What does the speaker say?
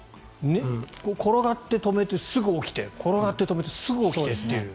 転がって止めてすぐ起きて転がって止めてすぐ起きてという。